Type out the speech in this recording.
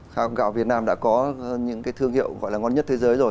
khai thác gạo việt nam đã có những cái thương hiệu gọi là ngon nhất thế giới rồi